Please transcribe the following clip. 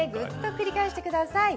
繰り返してください。